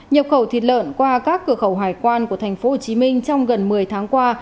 nhập khẩu thịt lợn qua các cửa khẩu hải quan của tp hcm trong gần một mươi tháng qua